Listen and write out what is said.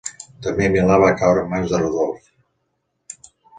També Milà va caure en mans de Rodolf.